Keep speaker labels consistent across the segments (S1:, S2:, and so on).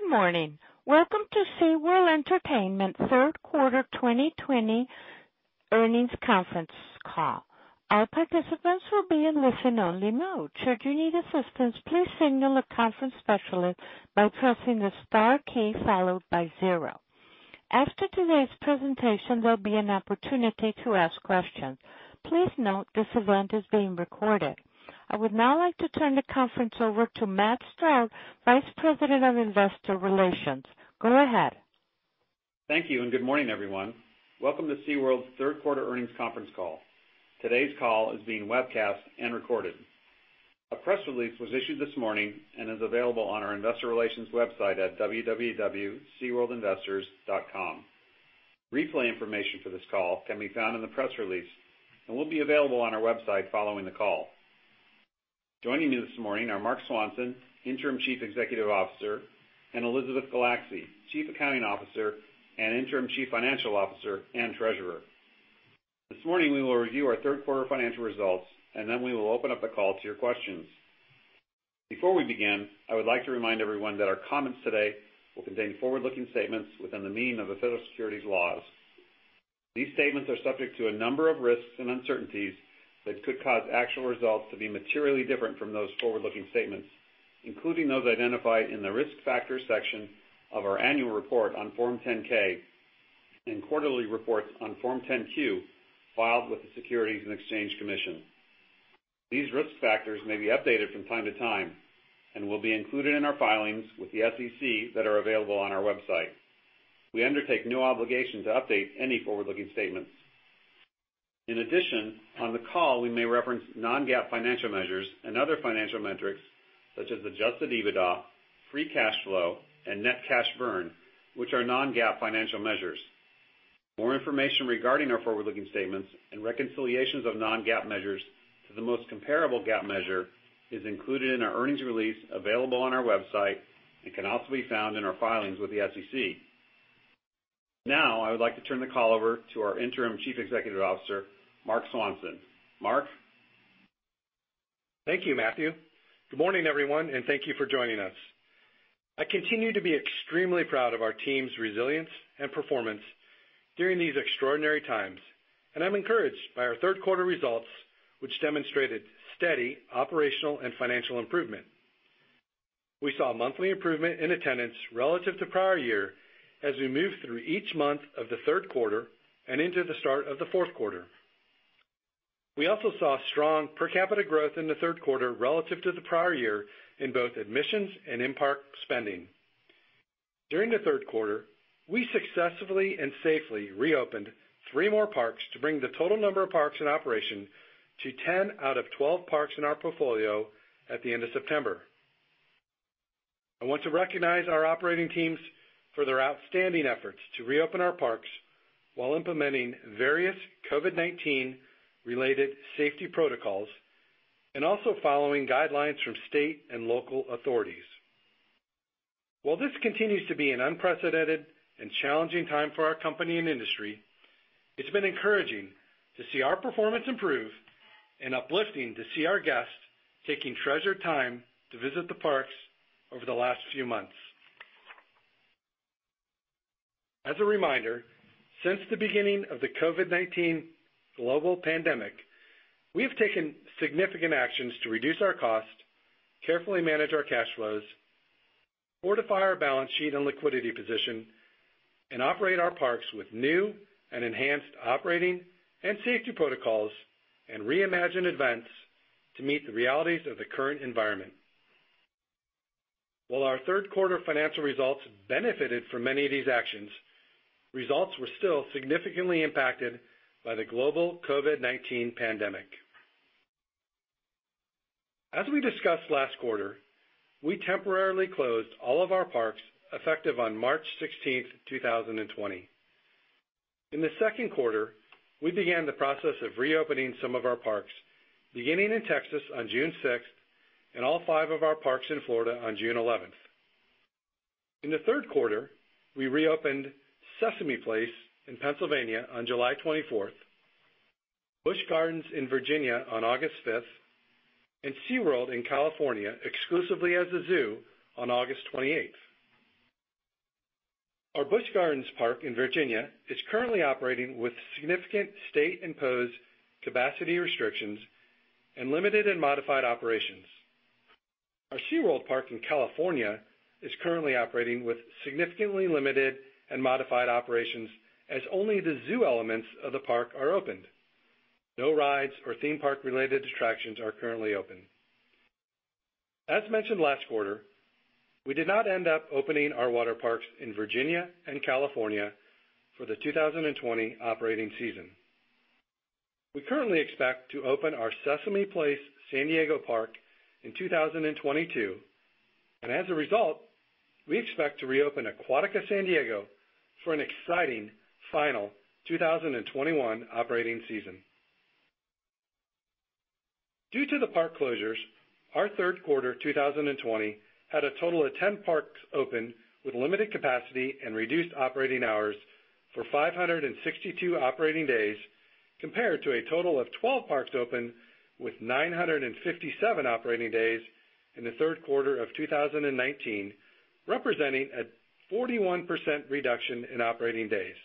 S1: Good morning. Welcome to SeaWorld Entertainment third quarter 2020 earnings conference call. All participants will be in listen only mode. Should you need assistance, please signal a conference specialist by pressing the star key followed by zero. After today's presentation, there'll be an opportunity to ask questions. Please note this event is being recorded. I would now like to turn the conference over to Matt Stroud, Vice President of Investor Relations. Go ahead.
S2: Thank you. Good morning, everyone. Welcome to SeaWorld's third quarter earnings conference call. Today's call is being webcast and recorded. A press release was issued this morning and is available on our investor relations website at www.seaworldinvestors.com. Replay information for this call can be found in the press release and will be available on our website following the call. Joining me this morning are Marc Swanson, Interim Chief Executive Officer, and Elizabeth Gulacsy, Chief Accounting Officer and Interim Chief Financial Officer and Treasurer. This morning, we will review our third quarter financial results, and then we will open up the call to your questions. Before we begin, I would like to remind everyone that our comments today will contain forward-looking statements within the meaning of the federal securities laws. These statements are subject to a number of risks and uncertainties that could cause actual results to be materially different from those forward-looking statements, including those identified in the Risk Factors section of our annual report on Form 10-K and quarterly reports on Form 10-Q filed with the Securities and Exchange Commission. These risk factors may be updated from time to time and will be included in our filings with the SEC that are available on our website. We undertake no obligation to update any forward-looking statements. On the call, we may reference non-GAAP financial measures and other financial metrics such as adjusted EBITDA, free cash flow, and net cash burn, which are non-GAAP financial measures. More information regarding our forward-looking statements and reconciliations of non-GAAP measures to the most comparable GAAP measure is included in our earnings release available on our website and can also be found in our filings with the SEC. I would like to turn the call over to our Interim Chief Executive Officer, Marc Swanson. Marc?
S3: Thank you, Matthew. Good morning, everyone, and thank you for joining us. I continue to be extremely proud of our team's resilience and performance during these extraordinary times, and I'm encouraged by our third quarter results, which demonstrated steady operational and financial improvement. We saw monthly improvement in attendance relative to prior year as we moved through each month of the third quarter and into the start of the fourth quarter. We also saw strong per capita growth in the third quarter relative to the prior year in both admissions and in-park spending. During the third quarter, we successfully and safely reopened three more parks to bring the total number of parks in operation to 10 out of 12 parks in our portfolio at the end of September. I want to recognize our operating teams for their outstanding efforts to reopen our parks while implementing various COVID-19 related safety protocols and also following guidelines from state and local authorities. While this continues to be an unprecedented and challenging time for our company and industry, it's been encouraging to see our performance improve and uplifting to see our guests taking treasured time to visit the parks over the last few months. As a reminder, since the beginning of the COVID-19 global pandemic, we have taken significant actions to reduce our cost, carefully manage our cash flows, fortify our balance sheet and liquidity position, and operate our parks with new and enhanced operating and safety protocols and reimagined events to meet the realities of the current environment. While our third quarter financial results benefited from many of these actions, results were still significantly impacted by the global COVID-19 pandemic. As we discussed last quarter, we temporarily closed all of our parks effective on March 16th, 2020. In the second quarter, we began the process of reopening some of our parks, beginning in Texas on June 6th and all five of our parks in Florida on June 11th. In the third quarter, we reopened Sesame Place in Pennsylvania on July 24th, Busch Gardens in Virginia on August 5th, and SeaWorld in California, exclusively as a zoo, on August 28th. Our Busch Gardens park in Virginia is currently operating with significant state-imposed capacity restrictions and limited and modified operations. Our SeaWorld park in California is currently operating with significantly limited and modified operations, as only the zoo elements of the park are open. No rides or theme park-related attractions are currently open. As mentioned last quarter, we did not end up opening our water parks in Virginia and California for the 2020 operating season. We currently expect to open our Sesame Place San Diego park in 2022, and as a result, we expect to reopen Aquatica San Diego for an exciting final 2021 operating season. Due to the park closures, our third quarter 2020 had a total of 10 parks open with limited capacity and reduced operating hours for 562 operating days Compared to a total of 12 parks open with 957 operating days in the third quarter of 2019, representing a 41% reduction in operating days.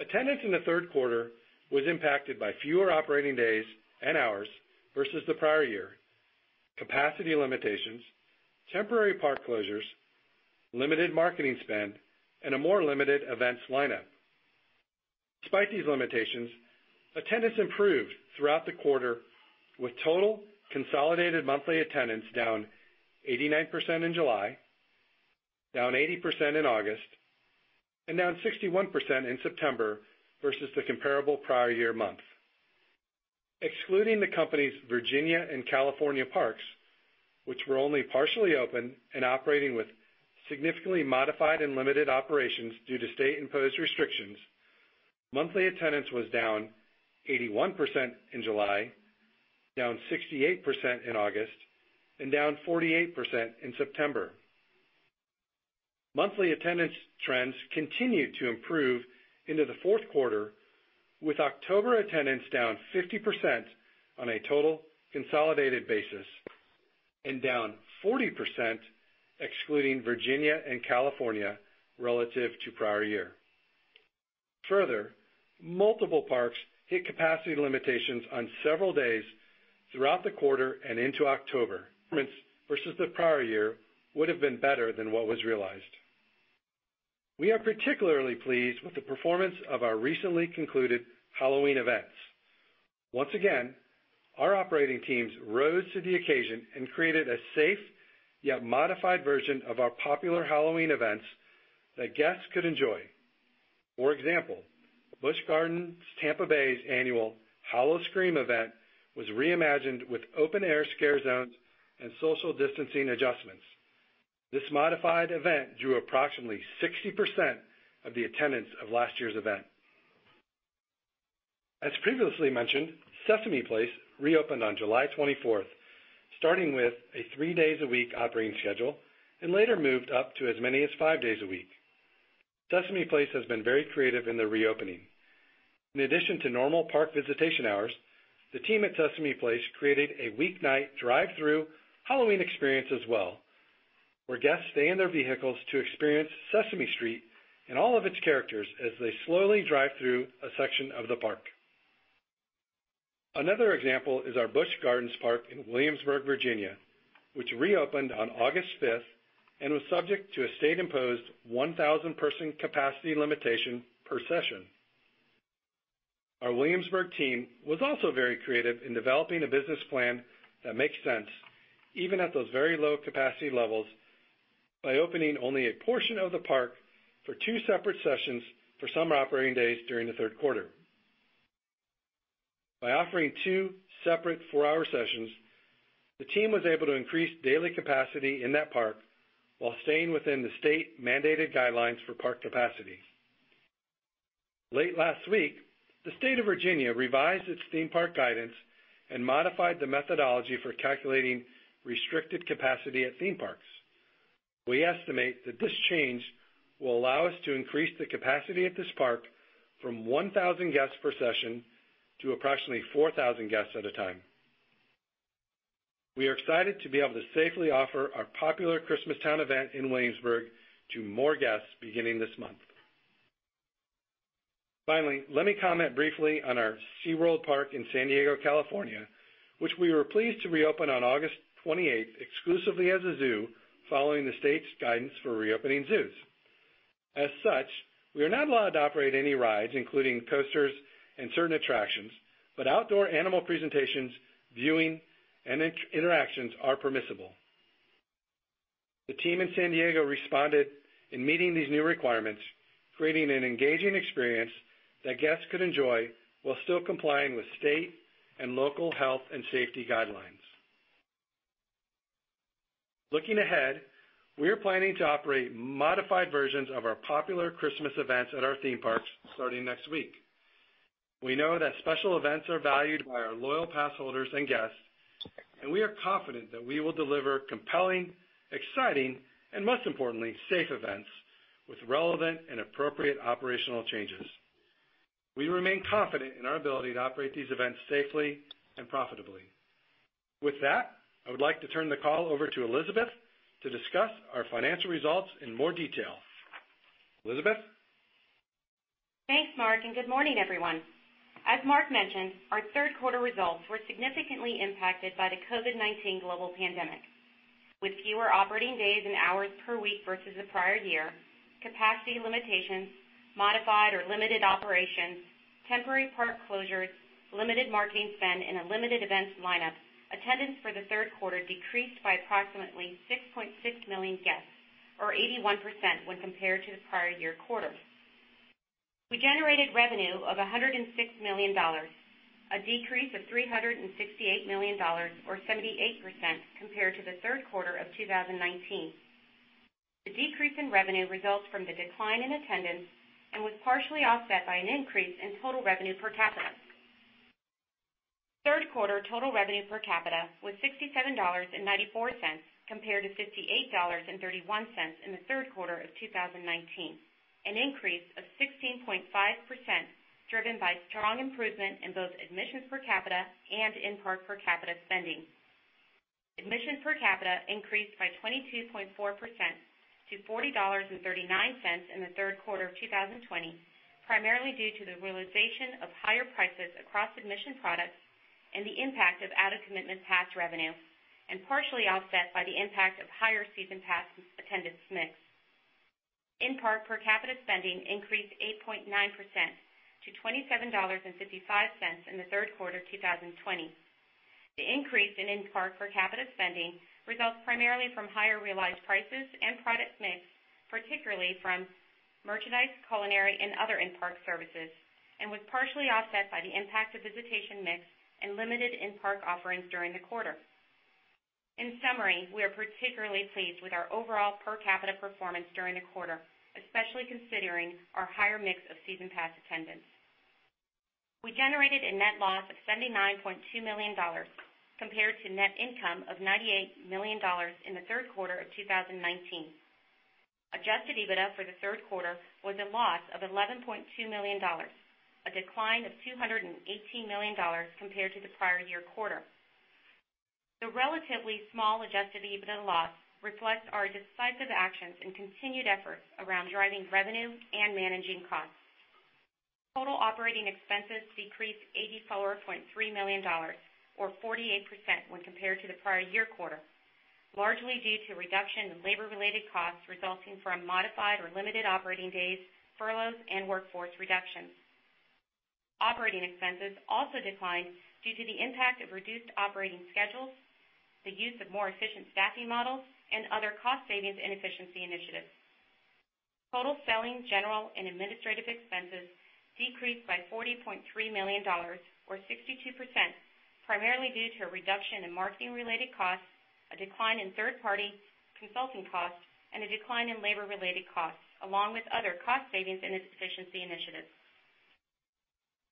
S3: Attendance in the third quarter was impacted by fewer operating days and hours versus the prior year, capacity limitations, temporary park closures, limited marketing spend, and a more limited events lineup. Despite these limitations, attendance improved throughout the quarter with total consolidated monthly attendance down 89% in July, down 80% in August, and down 61% in September versus the comparable prior year month. Excluding the company's Virginia and California parks, which were only partially open and operating with significantly modified and limited operations due to state-imposed restrictions, monthly attendance was down 81% in July, down 68% in August, and down 48% in September. Monthly attendance trends continued to improve into the fourth quarter, with October attendance down 50% on a total consolidated basis and down 40% excluding Virginia and California relative to prior year. Multiple parks hit capacity limitations on several days throughout the quarter and into October. Versus the prior year would've been better than what was realized. We are particularly pleased with the performance of our recently concluded Halloween events. Once again, our operating teams rose to the occasion and created a safe, yet modified version of our popular Halloween events that guests could enjoy. For example, Busch Gardens Tampa Bay's annual Howl-O-Scream event was reimagined with open-air scare zones and social distancing adjustments. This modified event drew approximately 60% of the attendance of last year's event. As previously mentioned, Sesame Place reopened on July 24th, starting with a three days a week operating schedule, and later moved up to as many as five days a week. Sesame Place has been very creative in their reopening. In addition to normal park visitation hours, the team at Sesame Place created a weeknight drive-through Halloween experience as well, where guests stay in their vehicles to experience Sesame Street and all of its characters as they slowly drive through a section of the park. Another example is our Busch Gardens park in Williamsburg, Virginia, which reopened on August 5th and was subject to a state-imposed 1,000-person capacity limitation per session. Our Williamsburg team was also very creative in developing a business plan that makes sense, even at those very low capacity levels, by opening only a portion of the park for two separate sessions for summer operating days during the third quarter. By offering two separate four-hour sessions, the team was able to increase daily capacity in that park while staying within the state-mandated guidelines for park capacity. Late last week, the State of Virginia revised its theme park guidance and modified the methodology for calculating restricted capacity at theme parks. We estimate that this change will allow us to increase the capacity at this park from 1,000 guests per session to approximately 4,000 guests at a time. We are excited to be able to safely offer our popular Christmas Town event in Williamsburg to more guests beginning this month. Finally, let me comment briefly on our SeaWorld Park in San Diego, California, which we were pleased to reopen on August 28th exclusively as a zoo following the state's guidance for reopening zoos. As such, we are not allowed to operate any rides, including coasters and certain attractions, but outdoor animal presentations, viewing, and interactions are permissible. The team in San Diego responded in meeting these new requirements, creating an engaging experience that guests could enjoy while still complying with state and local health and safety guidelines. Looking ahead, we are planning to operate modified versions of our popular Christmas events at our theme parks starting next week. We know that special events are valued by our loyal pass holders and guests, and we are confident that we will deliver compelling, exciting, and most importantly, safe events with relevant and appropriate operational changes. We remain confident in our ability to operate these events safely and profitably. With that, I would like to turn the call over to Elizabeth to discuss our financial results in more detail. Elizabeth?
S4: Thanks, Marc, and good morning, everyone. As Marc mentioned, our third quarter results were significantly impacted by the COVID-19 global pandemic. With fewer operating days and hours per week versus the prior year, capacity limitations, modified or limited operations, temporary park closures, limited marketing spend, and a limited events lineup, attendance for the third quarter decreased by approximately 6.6 million guests, or 81% when compared to the prior year quarter. We generated revenue of $106 million, a decrease of $368 million, or 78% compared to the third quarter of 2019. The decrease in revenue results from the decline in attendance and was partially offset by an increase in total revenue per capita. Third quarter total revenue per capita was $67.94 compared to $58.31 in the third quarter of 2019, an increase of 16.5%, driven by strong improvement in both admissions per capita and in-park per capita spending. Admissions per capita increased by 22.4% to $40.39 in the third quarter of 2020, primarily due to the realization of higher prices across admission products and the impact of added commitment pass revenue, and partially offset by the impact of higher season pass attendance mix. In-park per capita spending increased 8.9% to $27.55 in the third quarter 2020. The increase in in-park per capita spending results primarily from higher realized prices and product mix, particularly from merchandise, culinary, and other in-park services, and was partially offset by the impact of visitation mix and limited in-park offerings during the quarter. In summary, we are particularly pleased with our overall per capita performance during the quarter, especially considering our higher mix of season pass attendance. We generated a net loss of $79.2 million compared to net income of $98 million in the third quarter of 2019. Adjusted EBITDA for the third quarter was a loss of $11.2 million, a decline of $218 million compared to the prior year quarter. The relatively small adjusted EBITDA loss reflects our decisive actions and continued efforts around driving revenue and managing costs. Total operating expenses decreased $84.3 million, or 48% when compared to the prior year quarter, largely due to a reduction in labor-related costs resulting from modified or limited operating days, furloughs, and workforce reductions. Operating expenses also declined due to the impact of reduced operating schedules, the use of more efficient staffing models, and other cost savings and efficiency initiatives. Total selling, general, and administrative expenses decreased by $40.3 million, or 62%, primarily due to a reduction in marketing-related costs, a decline in third-party consulting costs, and a decline in labor-related costs, along with other cost savings and efficiency initiatives.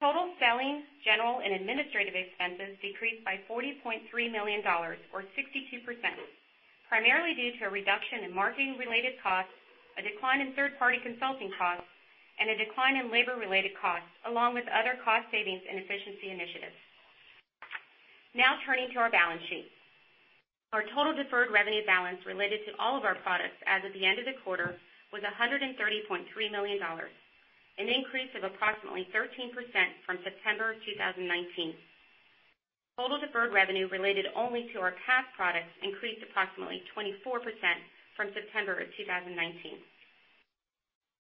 S4: Total selling, general, and administrative expenses decreased by $40.3 million, or 62%, primarily due to a reduction in marketing-related costs, a decline in third-party consulting costs, and a decline in labor-related costs, along with other cost savings and efficiency initiatives. Now turning to our balance sheet. Our total deferred revenue balance related to all of our products as of the end of the quarter was $130.3 million, an increase of approximately 13% from September 2019. Total deferred revenue related only to our pass products increased approximately 24% from September of 2019.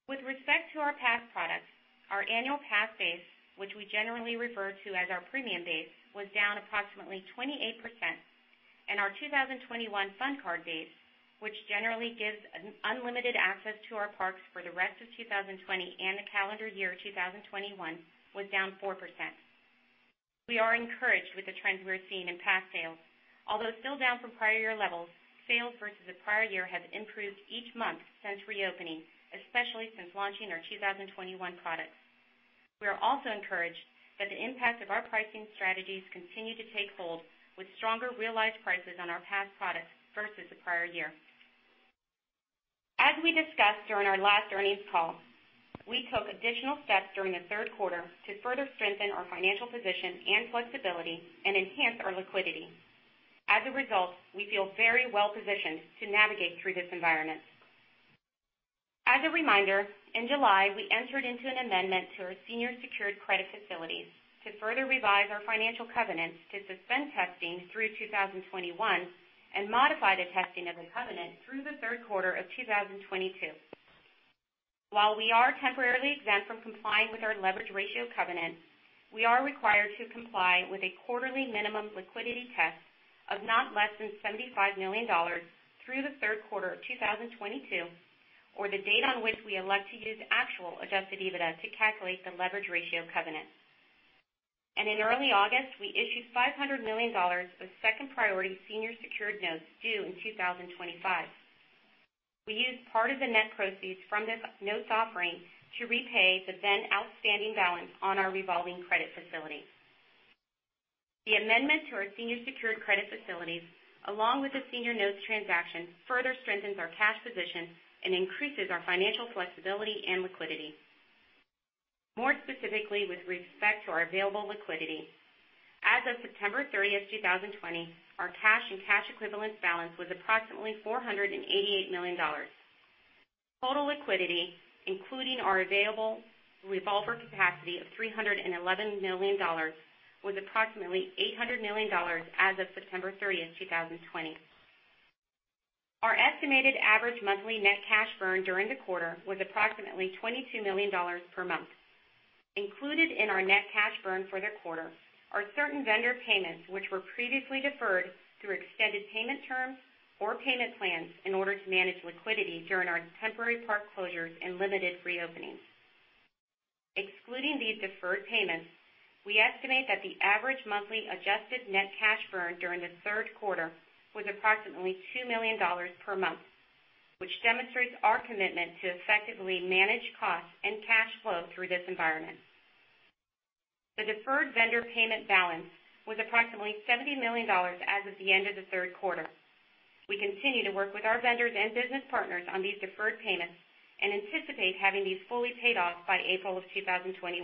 S4: With respect to our pass products, our annual pass base, which we generally refer to as our premium base, was down approximately 28%, and our 2021 Fun Card base, which generally gives unlimited access to our parks for the rest of 2020 and the calendar year 2021, was down 4%. We are encouraged with the trends we're seeing in pass sales. Although still down from prior year levels, sales versus the prior year have improved each month since reopening, especially since launching our 2021 products. We are also encouraged that the impact of our pricing strategies continue to take hold with stronger realized prices on our pass products versus the prior year. As we discussed during our last earnings call, we took additional steps during the third quarter to further strengthen our financial position and flexibility and enhance our liquidity. As a reminder, in July, we entered into an amendment to our senior secured credit facilities to further revise our financial covenants to suspend testing through 2021 and modify the testing of the covenant through the third quarter of 2022. While we are temporarily exempt from complying with our leverage ratio covenant, we are required to comply with a quarterly minimum liquidity test of not less than $75 million through the third quarter of 2022 or the date on which we elect to use actual adjusted EBITDA to calculate the leverage ratio covenant. In early August, we issued $500 million of second priority senior secured notes due in 2025. We used part of the net proceeds from this notes offering to repay the then outstanding balance on our revolving credit facility. The amendment to our senior secured credit facilities, along with the senior notes transaction, further strengthens our cash position and increases our financial flexibility and liquidity. More specifically with respect to our available liquidity, as of September 30, 2020, our cash and cash equivalents balance was approximately $488 million. Total liquidity, including our available revolver capacity of $311 million, was approximately $800 million as of September 30th, 2020. Our estimated average monthly net cash burn during the quarter was approximately $22 million per month. Included in our net cash burn for the quarter are certain vendor payments, which were previously deferred through extended payment terms or payment plans in order to manage liquidity during our temporary park closures and limited reopenings. Excluding these deferred payments, we estimate that the average monthly adjusted net cash burn during the third quarter was approximately $2 million per month. Which demonstrates our commitment to effectively manage costs and cash flow through this environment. The deferred vendor payment balance was approximately $70 million as of the end of the third quarter. We continue to work with our vendors and business partners on these deferred payments and anticipate having these fully paid off by April of 2021.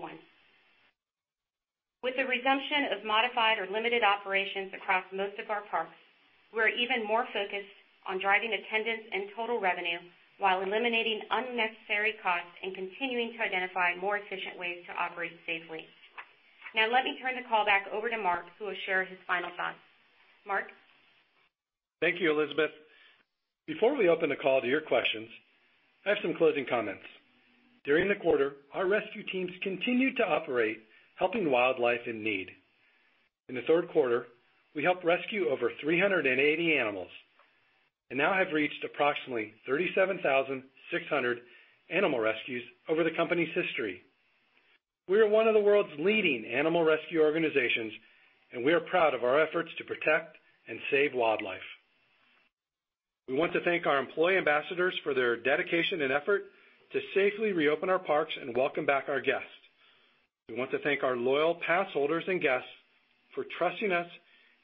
S4: With the resumption of modified or limited operations across most of our parks, we're even more focused on driving attendance and total revenue while eliminating unnecessary costs and continuing to identify more efficient ways to operate safely. Now, let me turn the call back over to Marc, who will share his final thoughts. Marc?
S3: Thank you, Elizabeth. Before we open the call to your questions, I have some closing comments. During the quarter, our rescue teams continued to operate, helping wildlife in need. In the third quarter, we helped rescue over 380 animals and now have reached approximately 37,600 animal rescues over the company's history. We are one of the world's leading animal rescue organizations, and we are proud of our efforts to protect and save wildlife. We want to thank our employee ambassadors for their dedication and effort to safely reopen our parks and welcome back our guests. We want to thank our loyal passholders and guests for trusting us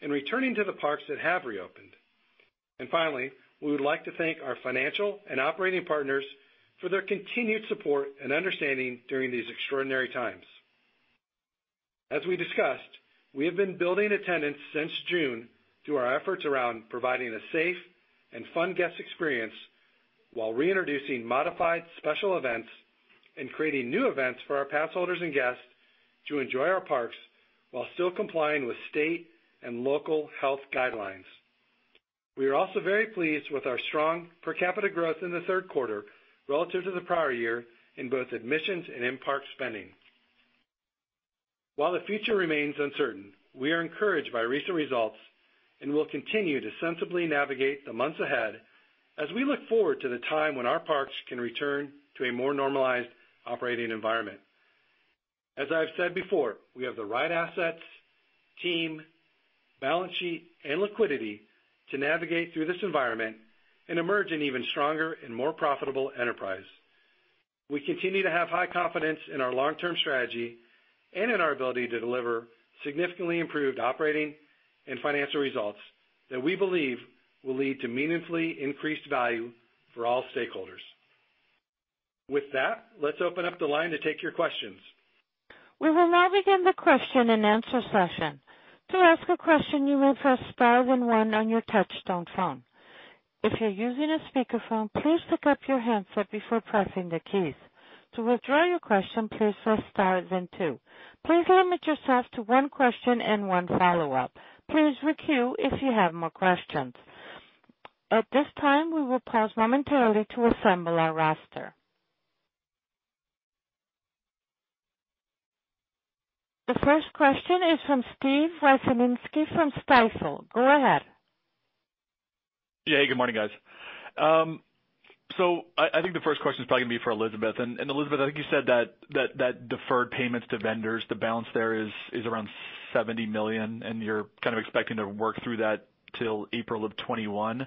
S3: in returning to the parks that have reopened. Finally, we would like to thank our financial and operating partners for their continued support and understanding during these extraordinary times. As we discussed, we have been building attendance since June through our efforts around providing a safe and fun guest experience while reintroducing modified special events and creating new events for our passholders and guests to enjoy our parks while still complying with state and local health guidelines. We are also very pleased with our strong per capita growth in the third quarter relative to the prior year in both admissions and in-park spending. While the future remains uncertain, we are encouraged by recent results and will continue to sensibly navigate the months ahead as we look forward to the time when our parks can return to a more normalized operating environment. As I've said before, we have the right assets, team, balance sheet, and liquidity to navigate through this environment and emerge an even stronger and more profitable enterprise. We continue to have high confidence in our long-term strategy and in our ability to deliver significantly improved operating and financial results that we believe will lead to meaningfully increased value for all stakeholders. With that, let's open up the line to take your questions.
S1: We will now begin the question and answer session. To ask a question, you may press star then one on your touchtone phone. If you're using a speakerphone, please pick up your handset before pressing the keys. To withdraw your question, please press star then two. Please limit yourself to one question and one follow-up. Please queue if you have more questions. At this time, we will pause momentarily to assemble our roster. The first question is from Steve Wieczynski from Stifel. Go ahead.
S5: Good morning, guys. I think the first question is probably going to be for Elizabeth. Elizabeth, I think you said that deferred payments to vendors, the balance there is around $70 million, and you're kind of expecting to work through that till April of 2021.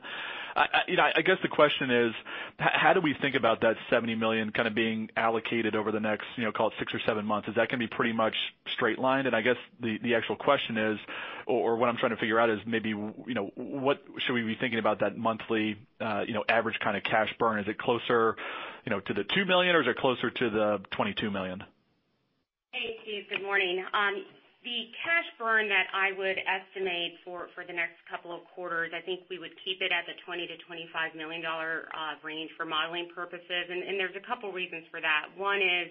S5: I guess the question is, how do we think about that $70 million kind of being allocated over the next, call it six or seven months? Is that going to be pretty much straight lined? I guess the actual question is, what I'm trying to figure out is maybe what should we be thinking about that monthly average kind of cash burn? Is it closer to the $2 million or is it closer to the $22 million?
S4: Hey, Steve. Good morning. The cash burn that I would estimate for the next couple of quarters, I think we would keep it at the $20 million-$25 million range for modeling purposes. There's a couple of reasons for that. One is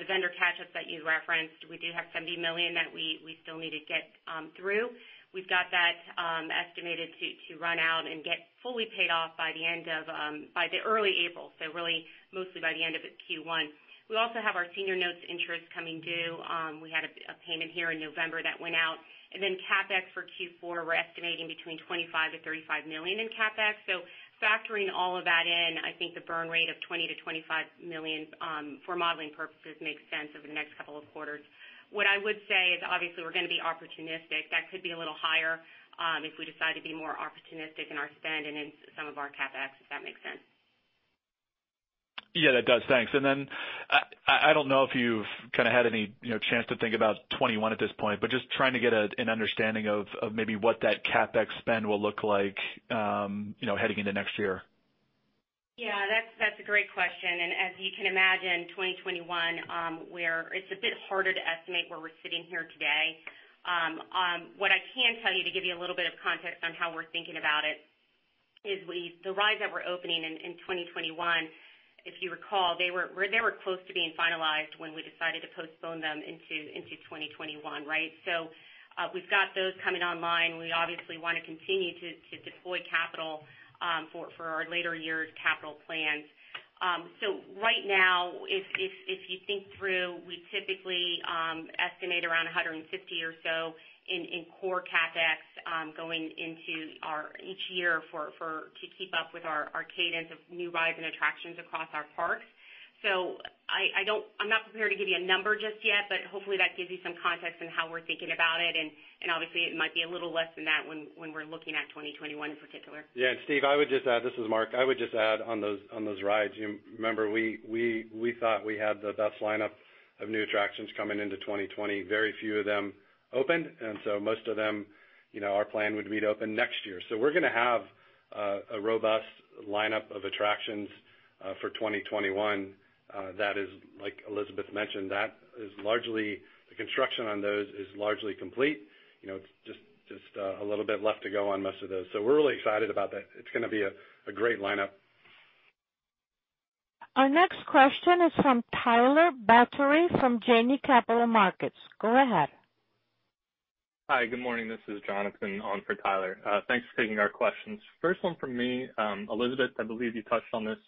S4: the vendor catch-up that you referenced. We do have $70 million that we still need to get through. We've got that estimated to run out and get fully paid off by the early April, so really mostly by the end of Q1. We also have our senior notes interest coming due. We had a payment here in November that went out. CapEx for Q4, we're estimating between $25 million-$35 million in CapEx. Factoring all of that in, I think the burn rate of $20 million-$25 million for modeling purposes makes sense over the next couple of quarters. What I would say is, obviously, we're going to be opportunistic. That could be a little higher if we decide to be more opportunistic in our spend and in some of our CapEx, if that makes sense.
S5: Yeah, that does. Thanks. I don't know if you've kind of had any chance to think about 2021 at this point, but just trying to get an understanding of maybe what that CapEx spend will look like heading into next year.
S4: Yeah, that's a great question. As you can imagine, 2021, it's a bit harder to estimate where we're sitting here today. What I can tell you to give you a little bit of context on how we're thinking about it is the rides that we're opening in 2021, if you recall, they were close to being finalized when we decided to postpone them into 2021, right? We've got those coming online. We obviously want to continue to deploy capital for our later years capital plans. Right now, if you think through, we typically estimate around $150 or so in core CapEx going into each year to keep up with our cadence of new rides and attractions across our parks. I'm not prepared to give you a number just yet, but hopefully that gives you some context on how we're thinking about it, and obviously it might be a little less than that when we're looking at 2021 in particular.
S3: Yeah. Steve, this is Marc. I would just add on those rides, you remember we thought we had the best lineup of new attractions coming into 2020. Very few of them opened, and so most of them, our plan would be to open next year. We're going to have a robust lineup of attractions for 2021 that is, like Elizabeth mentioned, the construction on those is largely complete. It's just a little bit left to go on most of those. We're really excited about that. It's going to be a great lineup.
S1: Our next question is from Tyler Batory from Janney Capital Markets. Go ahead.
S6: Hi, good morning. This is Jonathan on for Tyler. Thanks for taking our questions. First one from me. Elizabeth, I believe you touched on this,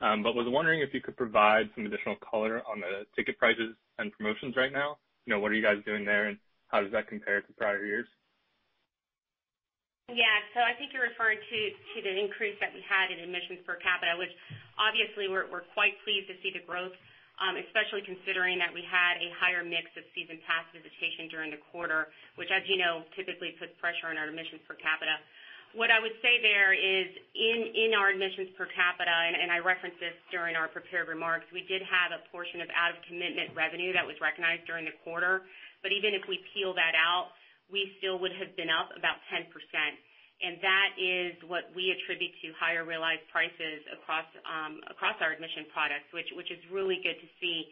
S6: but was wondering if you could provide some additional color on the ticket prices and promotions right now. What are you guys doing there, and how does that compare to prior years?
S4: I think you're referring to the increase that we had in admissions per capita, which obviously we're quite pleased to see the growth, especially considering that we had a higher mix of season pass visitation during the quarter, which as you know, typically puts pressure on our admissions per capita. What I would say there is in our admissions per capita, and I referenced this during our prepared remarks, we did have a portion of out-of-commitment revenue that was recognized during the quarter. Even if we peel that out, we still would have been up about 10%. That is what we attribute to higher realized prices across our admission products, which is really good to see.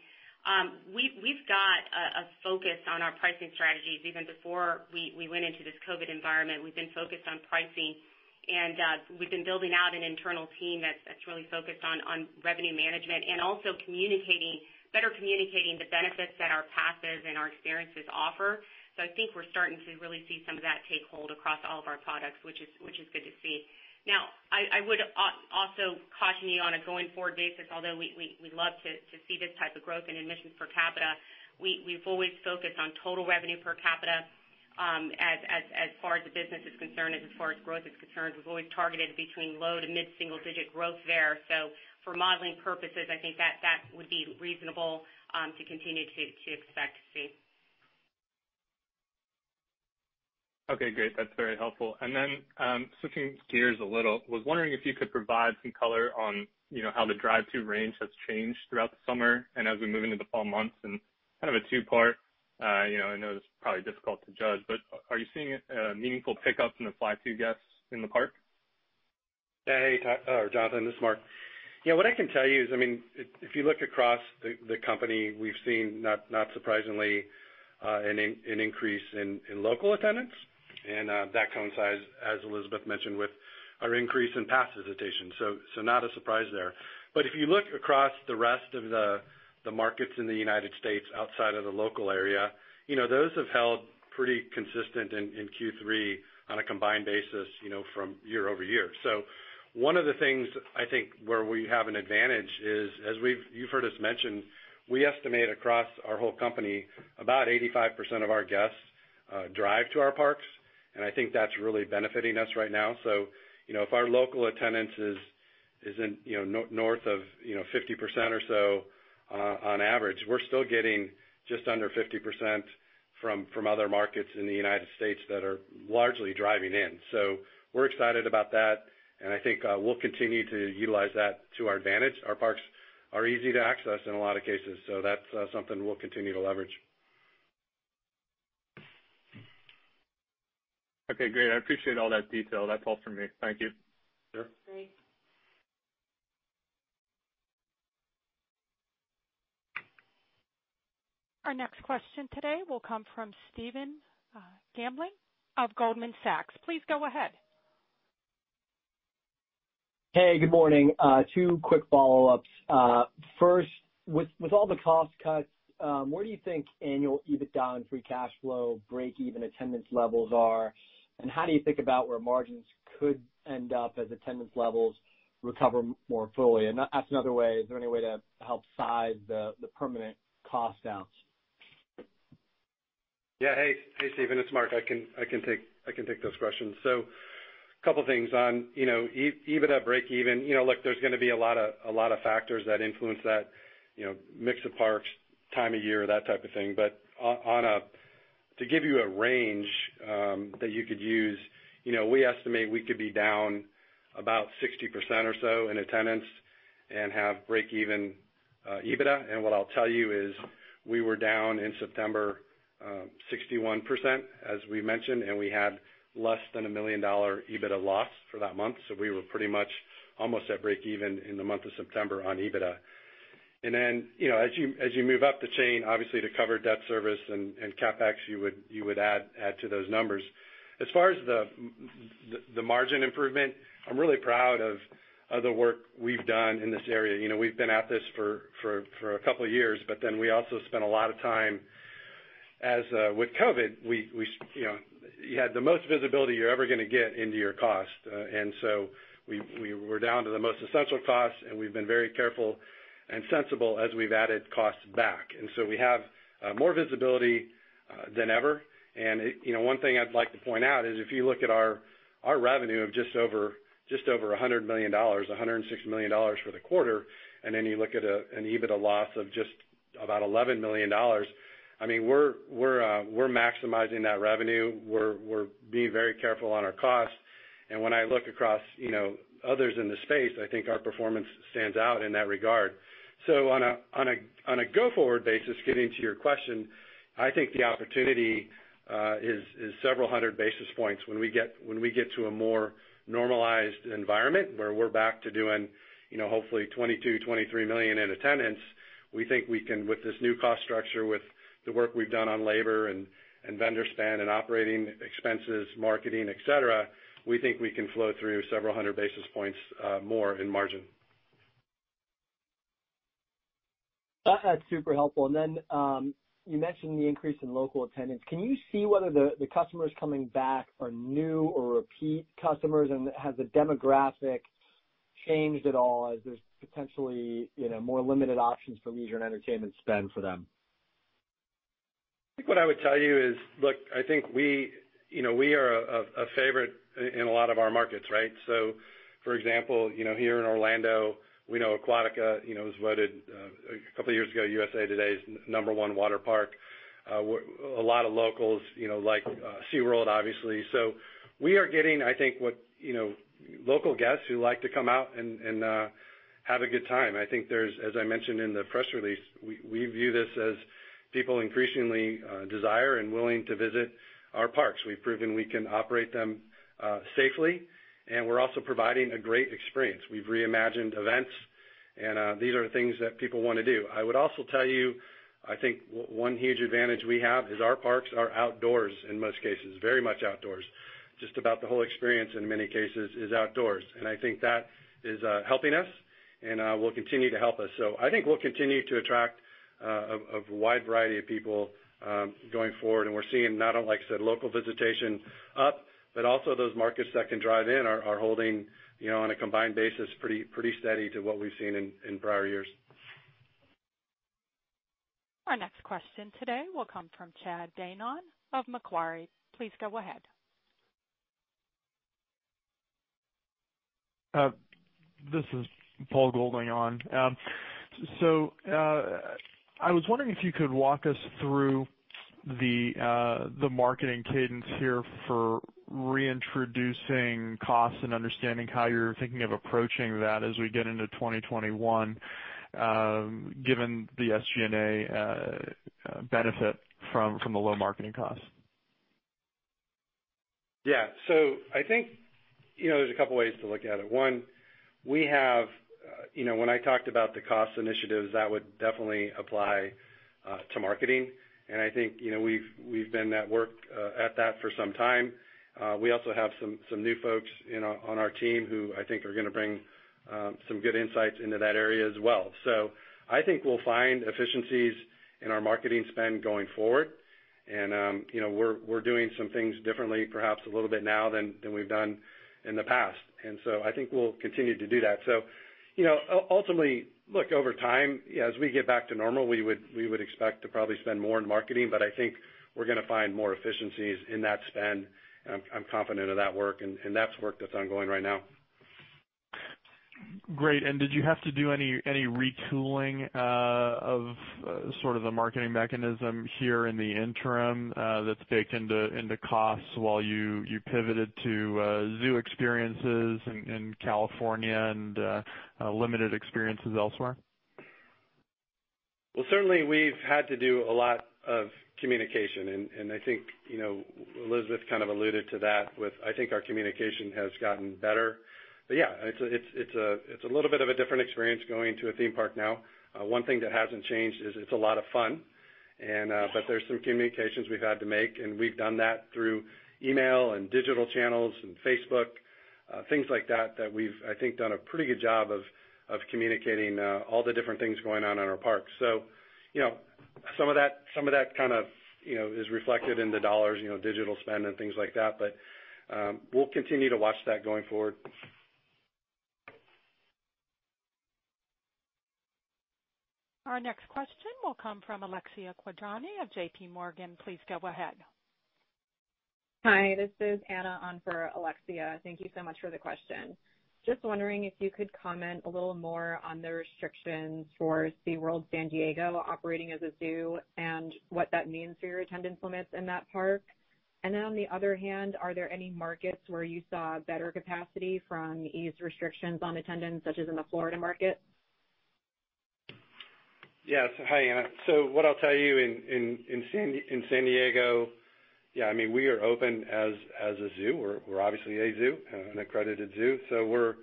S4: We've got a focus on our pricing strategies. Even before we went into this COVID environment, we've been focused on pricing and we've been building out an internal team that's really focused on revenue management and also better communicating the benefits that our passes and our experiences offer. I think we're starting to really see some of that take hold across all of our products, which is good to see. I would also caution you on a going-forward basis, although we'd love to see this type of growth in admissions per capita, we've always focused on total revenue per capita. As far as the business is concerned and as far as growth is concerned, we've always targeted between low to mid-single digit growth there. For modeling purposes, I think that would be reasonable to continue to expect to see.
S6: Okay, great. That's very helpful. Switching gears a little, was wondering if you could provide some color on how the drive-to range has changed throughout the summer and as we move into the fall months and kind of a two-part, I know this is probably difficult to judge, but are you seeing a meaningful pickup in the fly-to guests in the park?
S3: Hey, Jonathan. This is Marc. What I can tell you is, if you look across the company, we've seen, not surprisingly, an increase in local attendance, and that coincides, as Elizabeth mentioned, with our increase in pass visitation. Not a surprise there. If you look across the rest of the markets in the U.S. outside of the local area, those have held pretty consistent in Q3 on a combined basis from year-over-year. One of the things, I think, where we have an advantage is, as you've heard us mention, we estimate across our whole company, about 85% of our guests drive to our parks, and I think that's really benefiting us right now. If our local attendance is north of 50% or so on average, we're still getting just under 50% from other markets in the U.S. that are largely driving in. We're excited about that, and I think we'll continue to utilize that to our advantage. Our parks are easy to access in a lot of cases, so that's something we'll continue to leverage.
S6: Okay, great. I appreciate all that detail. That's all from me. Thank you.
S3: Sure.
S4: Great.
S1: Our next question today will come from Stephen Grambling of Goldman Sachs. Please go ahead.
S7: Hey, good morning. Two quick follow-ups. First, with all the cost cuts, where do you think annual EBITDA and free cash flow breakeven attendance levels are, and how do you think about where margins could end up as attendance levels recover more fully? That's another way. Is there any way to help size the permanent cost downs?
S3: Yeah. Hey, Stephen, it's Marc. I can take those questions. A couple things. On EBITDA breakeven, look, there's going to be a lot of factors that influence that, mix of parks, time of year, that type of thing. To give you a range that you could use, we estimate we could be down about 60% or so in attendance and have breakeven EBITDA. What I'll tell you is we were down in September 61%, as we mentioned, and we had less than a $1 million EBITDA loss for that month. We were pretty much almost at breakeven in the month of September on EBITDA. Then, as you move up the chain, obviously to cover debt service and CapEx, you would add to those numbers. As far as the margin improvement, I'm really proud of the work we've done in this area. We've been at this for a couple of years. We also spent a lot of time as with COVID, you had the most visibility you're ever going to get into your cost. We were down to the most essential costs. We've been very careful and sensible as we've added costs back. We have more visibility than ever. One thing I'd like to point out is if you look at our revenue of just over $100 million, $106 million for the quarter, and then you look at an EBITDA loss of just about $11 million, we're maximizing that revenue. We're being very careful on our costs. When I look across others in the space, I think our performance stands out in that regard. On a go-forward basis, getting to your question, I think the opportunity is several hundred basis points when we get to a more normalized environment where we're back to doing hopefully 22, 23 million in attendance. We think with this new cost structure, with the work we've done on labor and vendor spend and operating expenses, marketing, et cetera, we think we can flow through several hundred basis points more in margin.
S7: That's super helpful. You mentioned the increase in local attendance. Can you see whether the customers coming back are new or repeat customers? Has the demographic changed at all as there's potentially more limited options for leisure and entertainment spend for them?
S3: I think what I would tell you is, look, I think we are a favorite in a lot of our markets, right? For example, here in Orlando, we know Aquatica was voted a couple of years ago, USA Today's number one waterpark. A lot of locals like SeaWorld, obviously. We are getting, I think, local guests who like to come out and have a good time. As I mentioned in the press release, we view this as people increasingly desire and willing to visit our parks. We've proven we can operate them safely, and we're also providing a great experience. We've reimagined events, and these are things that people want to do. I would also tell you, I think one huge advantage we have is our parks are outdoors in most cases, very much outdoors. Just about the whole experience, in many cases, is outdoors. I think that is helping us and will continue to help us. I think we'll continue to attract a wide variety of people going forward, and we're seeing not only, like I said, local visitation up, but also those markets that can drive in are holding on a combined basis pretty steady to what we've seen in prior years.
S1: Our next question today will come from Chad Beynon of Macquarie. Please go ahead.
S8: This is Paul Golding on. I was wondering if you could walk us through the marketing cadence here for reintroducing costs and understanding how you're thinking of approaching that as we get into 2021, given the SG&A benefit from the low marketing costs.
S3: Yeah. I think there's a couple ways to look at it. One, when I talked about the cost initiatives, that would definitely apply to marketing, and I think we've been at work at that for some time. We also have some new folks on our team who I think are going to bring some good insights into that area as well. I think we'll find efficiencies in our marketing spend going forward. We're doing some things differently, perhaps a little bit now than we've done in the past. I think we'll continue to do that. Ultimately, look, over time, as we get back to normal, we would expect to probably spend more in marketing, but I think we're going to find more efficiencies in that spend, and I'm confident of that work, and that's work that's ongoing right now.
S8: Great. Did you have to do any retooling of sort of the marketing mechanism here in the interim that's baked into costs while you pivoted to zoo experiences in California and limited experiences elsewhere?
S3: Certainly we've had to do a lot of communication, and I think Elizabeth kind of alluded to that with, I think our communication has gotten better. Yeah, it's a little bit of a different experience going to a theme park now. One thing that hasn't changed is it's a lot of fun. There's some communications we've had to make, and we've done that through email and digital channels and Facebook, things like that we've, I think, done a pretty good job of communicating all the different things going on in our parks. Some of that kind of is reflected in the dollars, digital spend and things like that. We'll continue to watch that going forward.
S1: Our next question will come from Alexia Quadrani of JPMorgan. Please go ahead.
S9: Hi. This is Anna on for Alexia. Thank you so much for the question. Just wondering if you could comment a little more on the restrictions for SeaWorld San Diego operating as a zoo and what that means for your attendance limits in that park. Then on the other hand, are there any markets where you saw better capacity from eased restrictions on attendance, such as in the Florida market?
S3: Yeah. Hi, Anna. What I'll tell you in San Diego, yeah, we are open as a zoo. We're obviously a zoo, an accredited zoo. We're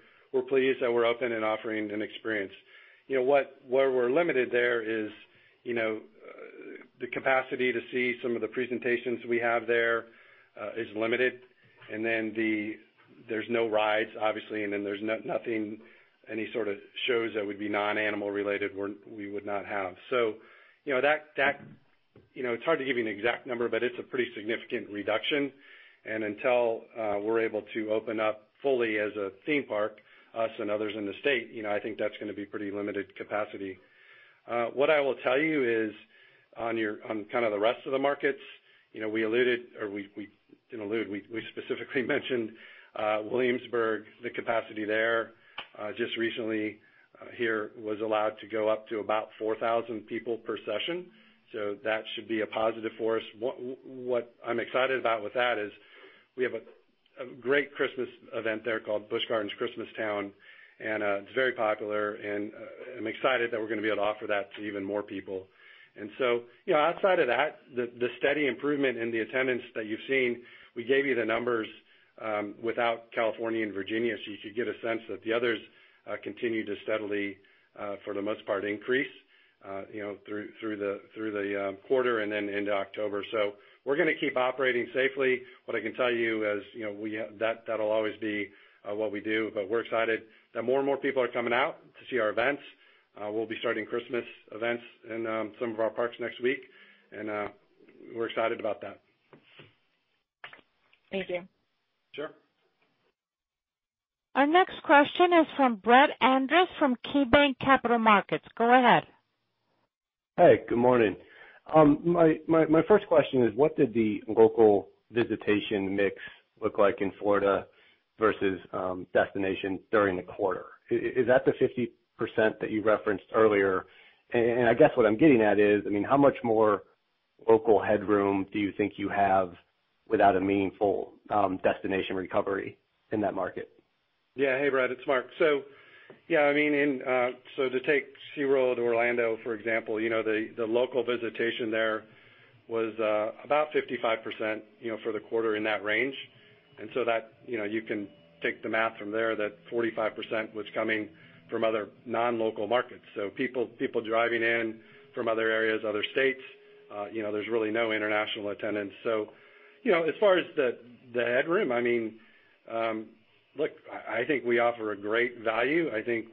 S3: pleased that we're open and offering an experience. Where we're limited there is the capacity to see some of the presentations we have there is limited. Then there's no rides, obviously, and then there's nothing, any sort of shows that would be non-animal related we would not have. It's hard to give you an exact number, but it's a pretty significant reduction. Until we're able to open up fully as a theme park, us and others in the state, I think that's going to be pretty limited capacity. What I will tell you is on kind of the rest of the markets, we specifically mentioned Williamsburg, the capacity there just recently here was allowed to go up to about 4,000 people per session. That should be a positive for us. What I'm excited about with that is we have a great Christmas event there called Busch Gardens Christmas Town, and it's very popular, and I'm excited that we're going to be able to offer that to even more people. Outside of that, the steady improvement in the attendance that you've seen, we gave you the numbers without California and Virginia, so you could get a sense that the others continue to steadily, for the most part, increase through the quarter and then into October. We're going to keep operating safely. What I can tell you is that'll always be what we do, but we're excited that more and more people are coming out to see our events. We'll be starting Christmas events in some of our parks next week, and we're excited about that.
S9: Thank you.
S3: Sure.
S1: Our next question is from Brett Andress from KeyBanc Capital Markets. Go ahead.
S10: Hey, good morning. My first question is, what did the local visitation mix look like in Florida versus destination during the quarter? Is that the 50% that you referenced earlier? I guess what I'm getting at is, how much more local headroom do you think you have without a meaningful destination recovery in that market?
S3: Yeah. Hey, Brett, it's Marc. To take SeaWorld Orlando, for example, the local visitation there was about 55% for the quarter, in that range. You can take the math from there that 45% was coming from other non-local markets. People driving in from other areas, other states. There's really no international attendance. As far as the headroom, look, I think we offer a great value. Even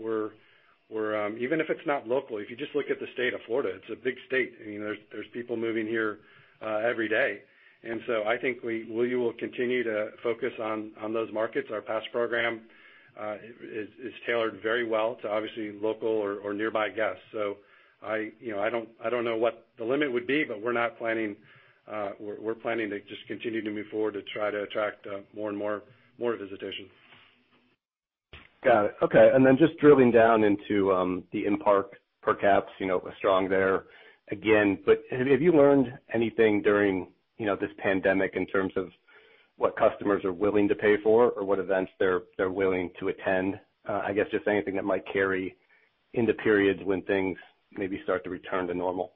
S3: if it's not local, if you just look at the state of Florida, it's a big state. There's people moving here every day. I think we will continue to focus on those markets. Our pass program is tailored very well to obviously local or nearby guests. I don't know what the limit would be, but we're planning to just continue to move forward to try to attract more and more visitation.
S10: Got it. Okay. Just drilling down into the in-park per caps, strong there again, but have you learned anything during this pandemic in terms of what customers are willing to pay for or what events they're willing to attend? I guess just anything that might carry into periods when things maybe start to return to normal.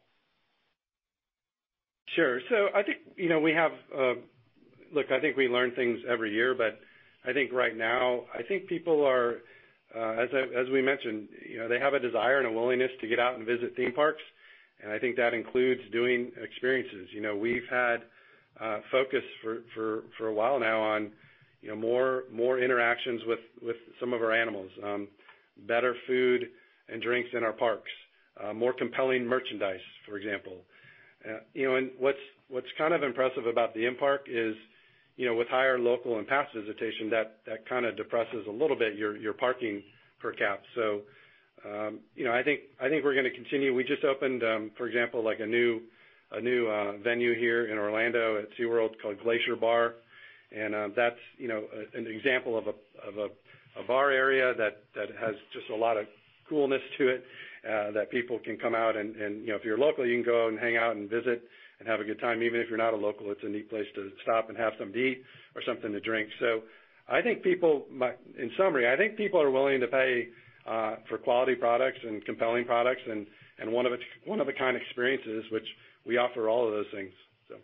S3: Sure. Look, I think we learn things every year. I think right now, I think people are, as we mentioned, they have a desire and a willingness to get out and visit theme parks, and I think that includes doing experiences. We've had a focus for a while now on more interactions with some of our animals, better food and drinks in our parks, more compelling merchandise, for example. What's kind of impressive about the in-park is with higher local and pass visitation, that kind of depresses a little bit your parking per cap. I think we're going to continue. We just opened, for example, a new venue here in Orlando at SeaWorld called Glacier Bar. That's an example of a bar area that has just a lot of coolness to it that people can come out and, if you're a local, you can go and hang out and visit and have a good time. Even if you're not a local, it's a neat place to stop and have something to eat or something to drink. In summary, I think people are willing to pay for quality products and compelling products and one-of-a-kind experiences, which we offer all of those things, so.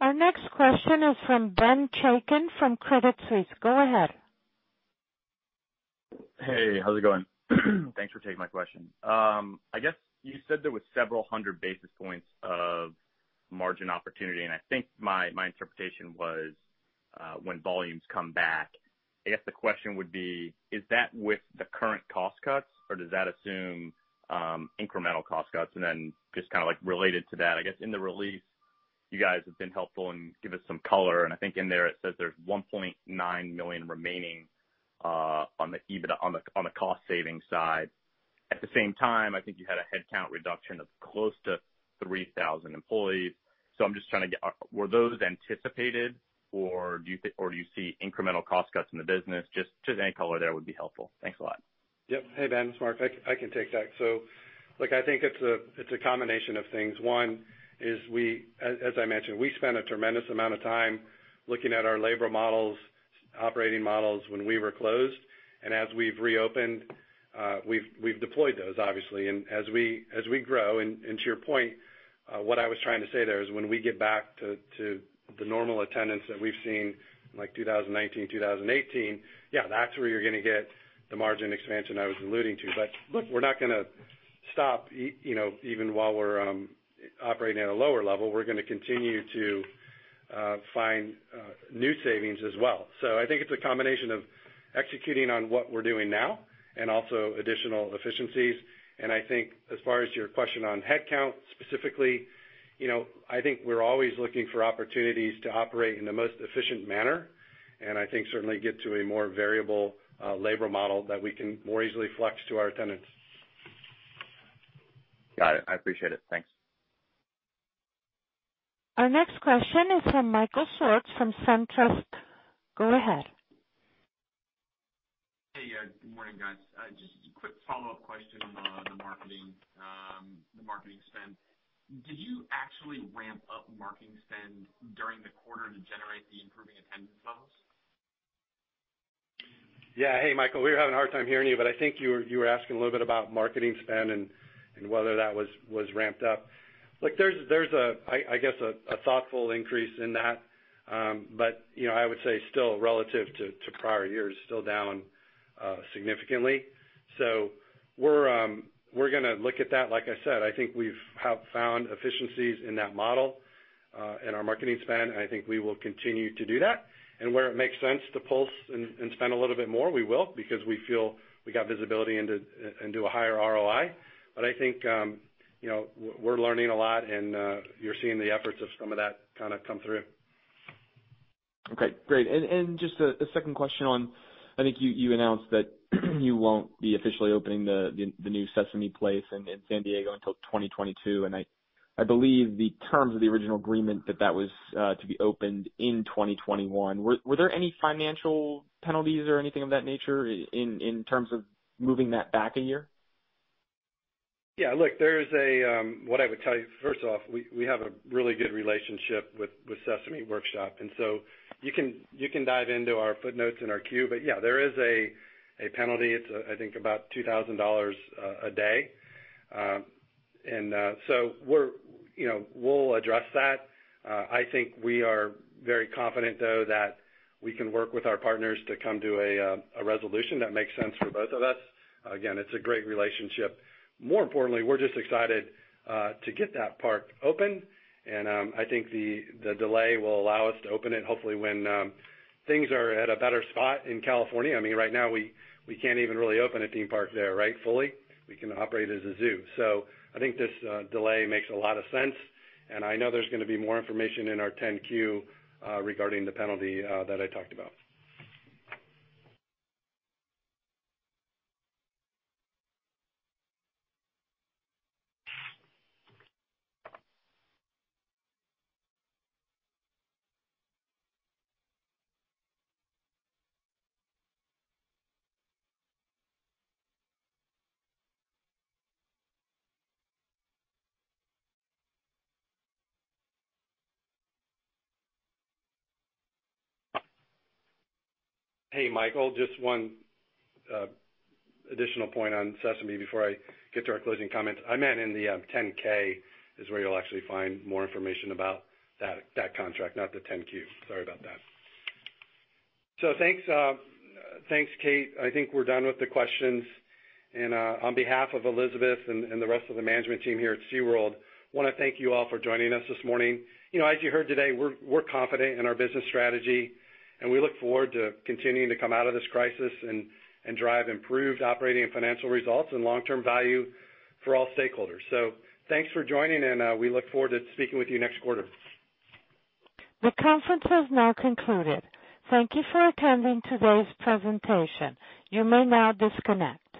S1: Our next question is from Ben Chaiken from Credit Suisse. Go ahead.
S11: Hey, how's it going? Thanks for taking my question. I guess you said there was several hundred basis points of margin opportunity. I think my interpretation was when volumes come back. I guess the question would be, is that with the current cost cuts? Does that assume incremental cost cuts? Just kind of related to that, I guess in the release, you guys have been helpful and give us some color. I think in there it says there's $1.9 million remaining on the cost-saving side. At the same time, I think you had a headcount reduction of close to 3,000 employees. I'm just trying to get, were those anticipated? Do you see incremental cost cuts in the business? Just any color there would be helpful. Thanks a lot.
S3: Yep. Hey, Ben, it's Marc. I can take that. I think it's a combination of things. One is, as I mentioned, we spent a tremendous amount of time looking at our labor models, operating models when we were closed. As we've reopened, we've deployed those, obviously. As we grow, and to your point, what I was trying to say there is when we get back to the normal attendance that we've seen, like 2019, 2018, yeah, that's where you're going to get the margin expansion I was alluding to. Look, we're not going to stop even while we're operating at a lower level. We're going to continue to find new savings as well. I think it's a combination of executing on what we're doing now and also additional efficiencies. I think as far as your question on headcount specifically, I think we're always looking for opportunities to operate in the most efficient manner, and I think certainly get to a more variable labor model that we can more easily flex to our attendance.
S11: Got it. I appreciate it. Thanks.
S1: Our next question is from Michael Swartz from Truist Securities. Go ahead.
S12: Hey. Good morning, guys. Just a quick follow-up question on the marketing spend. Did you actually ramp up marketing spend during the quarter to generate the improving attendance levels?
S3: Yeah. Hey, Michael, we were having a hard time hearing you. I think you were asking a little bit about marketing spend and whether that was ramped up. Look, there's, I guess, a thoughtful increase in that. I would say still relative to prior years, still down significantly. We're gonna look at that. Like I said, I think we've found efficiencies in that model, in our marketing spend, and I think we will continue to do that. Where it makes sense to pulse and spend a little bit more, we will, because we feel we got visibility into a higher ROI. I think we're learning a lot, and you're seeing the efforts of some of that kind of come through.
S12: Okay, great. Just a second question on, I think you announced that you won't be officially opening the new Sesame Place in San Diego until 2022, and I believe the terms of the original agreement that that was to be opened in 2021. Were there any financial penalties or anything of that nature in terms of moving that back a year?
S3: Yeah, look, what I would tell you, first off, we have a really good relationship with Sesame Workshop. You can dive into our footnotes in our Q. Yeah, there is a penalty. It's, I think, about $2,000 a day. We'll address that. I think we are very confident, though, that we can work with our partners to come to a resolution that makes sense for both of us. Again, it's a great relationship. More importantly, we're just excited to get that park open. I think the delay will allow us to open it hopefully when things are at a better spot in California. Right now we can't even really open a theme park there, right, fully. We can operate as a zoo. I think this delay makes a lot of sense, and I know there's gonna be more information in our 10-Q regarding the penalty that I talked about. Hey, Michael, just one additional point on Sesame before I get to our closing comments. I meant in the 10-K is where you'll actually find more information about that contract, not the 10-Q. Sorry about that. Thanks, Kate. I think we're done with the questions. On behalf of Elizabeth and the rest of the management team here at SeaWorld, we want to thank you all for joining us this morning. As you heard today, we're confident in our business strategy, and we look forward to continuing to come out of this crisis and drive improved operating and financial results and long-term value for all stakeholders. Thanks for joining, and we look forward to speaking with you next quarter.
S1: The conference has now concluded. Thank you for attending today's presentation. You may now disconnect.